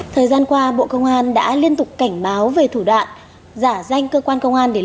thời gian qua bộ công an đã liên tục cảnh báo về thủ đoạn giả danh cơ quan công an